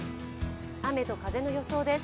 雨と風の予想です。